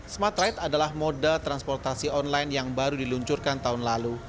smartride adalah modal transportasi online yang baru diluncurkan tahun lalu